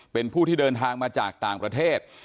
เป็นผู้ที่เดินทางมาจากต่างประเทศ